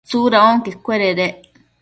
¿tsuda onquecuededec?